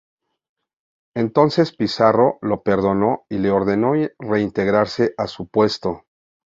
Entonces Pizarro lo perdonó y le ordenó reintegrarse a su puesto.